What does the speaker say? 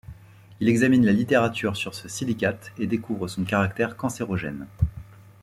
Il examine la littérature sur ce silicate et découvre son caractère cancérogène.